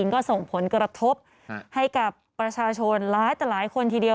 ก็ส่งผลกระทบให้กับประชาชนหลายต่อหลายคนทีเดียว